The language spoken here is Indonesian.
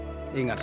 saya ingin tahu